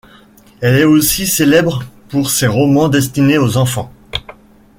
Elle est aussi célèbre pour ses romans destinés aux enfants.